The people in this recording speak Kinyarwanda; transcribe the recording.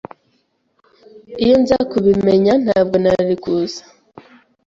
Iyo nza kubimenya, ntabwo nari kuza.